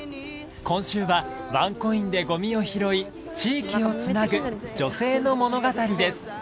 今週はワンコインでゴミを拾い地域を繋ぐ女性の物語です。